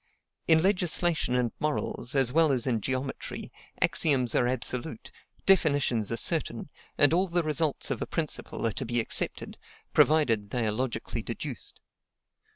In legislation and morals, as well as in geometry, axioms are absolute, definitions are certain; and all the results of a principle are to be accepted, provided they are logically deduced.